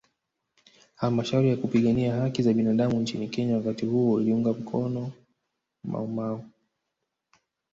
Halmashauri ya kupigania haki za binadamu nchini Kenya wakati huo iliunga mkono maumau